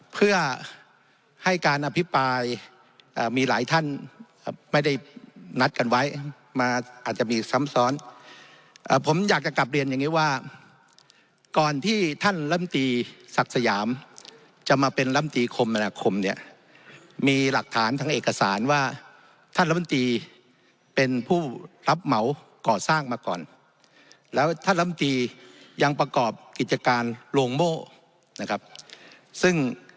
เพื่อให้การอภิปรายมีหลายท่านครับไม่ได้นัดกันไว้มาอาจจะมีซ้ำซ้อนผมอยากจะกลับเรียนอย่างนี้ว่าก่อนที่ท่านลำตีศักดิ์สยามจะมาเป็นลำตีคมมนาคมเนี่ยมีหลักฐานทางเอกสารว่าท่านรัฐมนตรีเป็นผู้รับเหมาก่อสร้างมาก่อนแล้วท่านลำตียังประกอบกิจการโรงโม่นะครับซึ่ง